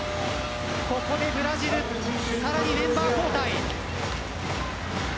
ここでブラジルさらにメンバー交代。